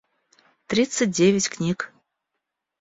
тридцать девять книг